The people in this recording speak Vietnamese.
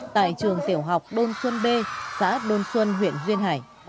tại trường tiểu học đôn xuân b xã đôn xuân huyện duyên hải